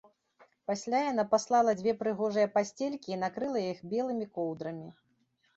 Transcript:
Пасля яна паслала дзве прыгожыя пасцелькі і накрыла іх белымі коўдрамі